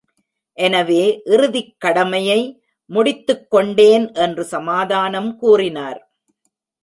எனவே இறுதிக் கடமையை முடித்துக் கொண்டேன் என்று சமாதானம் கூறினார்.